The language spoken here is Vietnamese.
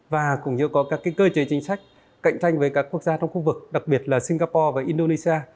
và cũng như có các cơ chế chính sách cạnh tranh với các quốc gia trong khu vực đặc biệt là singapore và indonesia